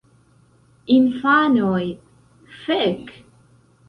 Infanoj: "Fek!"